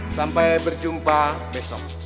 sampai berjumpa besok